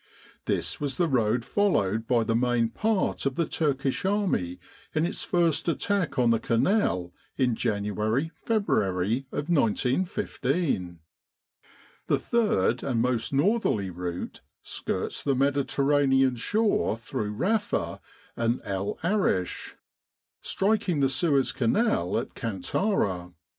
This was the road followed by the main part of the Turkish army in its first attack on the Canal in January February of 1915. The third and most northerly route skirts the Mediterranean shore through Rafa and El Arish, striking the Suez Canal at Kantara.